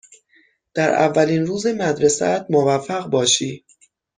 در اولین روز مدرسه ات موفق باشی.